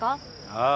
ああ。